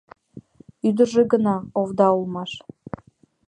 Ӱдыржӧ гына овда улмаш...